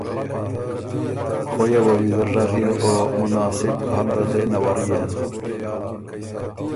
خؤیه وه ویزر ژغيېن او مناسب حله ره دې نَوَريېن۔